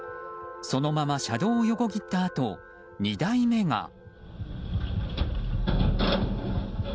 そのまま車道を横切ったあと２台目が。